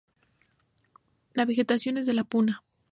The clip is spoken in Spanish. La vegetación es de la Puna.